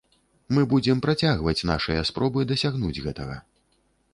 Мы будзем працягваць нашыя спробы дасягнуць гэтага.